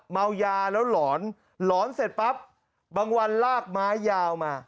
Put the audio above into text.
เมายาแล้วหลอนหลอนเสร็จปั๊บบางวันลากไม้ยาวมา